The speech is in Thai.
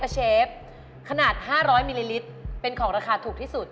เชฟขนาด๕๐๐มิลลิลิตรเป็นของราคาถูกที่สุด